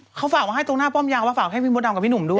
อุ๊ยเขาฝากว่าให้ตรงหน้าป้อมยาวว่าฝากให้พี่พี่บทดำกับพี่หนุ่มด้วย